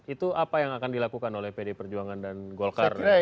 itu apa yang akan dilakukan oleh pd perjuangan dan golkar